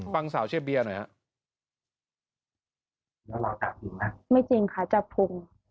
ฟังสาวเชเบียหน่อยฮะแล้วเราจับจริงไหมไม่จริงค่ะจับพุง